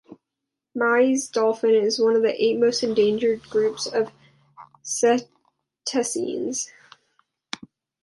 Maui's dolphin is one of the eight most endangered groups of cetaceans.